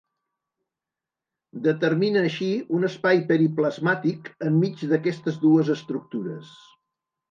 Determina així un espai periplasmàtic enmig d’aquestes dues estructures.